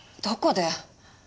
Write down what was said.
どこで？